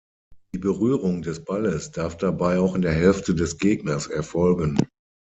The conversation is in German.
Die Berührung des Balles darf dabei auch in der Hälfte des Gegners erfolgen.